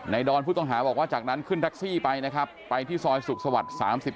ดอนผู้ต้องหาบอกว่าจากนั้นขึ้นแท็กซี่ไปนะครับไปที่ซอยสุขสวรรค์๓๔